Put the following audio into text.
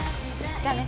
じゃあね。